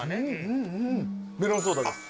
メロンソーダです。